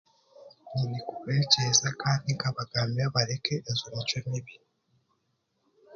Nyine kubeegyesa kandi nkabagambira bareke ezo micwe mibi